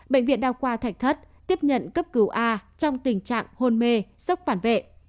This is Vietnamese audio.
bệnh viện đa khoa thạch thất tiếp nhận cấp cứu a trong tình trạng hôn mê sốc phản vệ